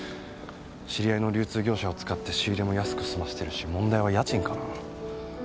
知り合いの流通業者を使って仕入れも安く済ませてるし問題は家賃かな。